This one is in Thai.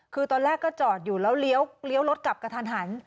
คือตอนแรกก็จอดอยู่แล้วเลี้ยวรถกลับกระทันหัน